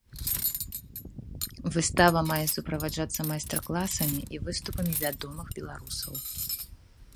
Выстава мае суправаджацца майстар-класамі і выступамі вядомых беларусаў.